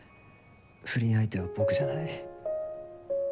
不倫相手は僕じゃない。